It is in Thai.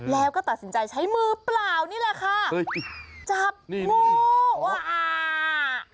แล้วก็ตัดสินใจใช้มือเปล่านี่แหละค่ะจับนี่งูว่าอ่า